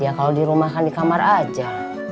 ya kalau dirumahkan di kamar aja